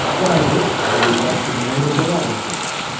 Blifil always acts in the name of morality.